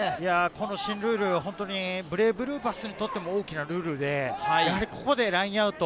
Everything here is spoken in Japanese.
この新ルール、本当にブレイブルーパスにとって大きなルールでここでラインアウト。